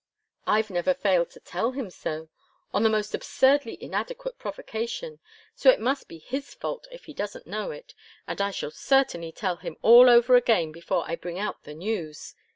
"I've never failed to tell him so, on the most absurdly inadequate provocation. So it must be his fault if he doesn't know it and I shall certainly tell him all over again before I bring out the news.